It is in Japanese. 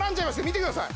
見てください